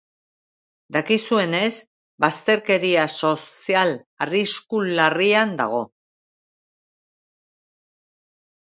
Dakizuenez, bazterkeria sozial arrisku larrian dago.